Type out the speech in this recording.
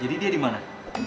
jadi dia di mana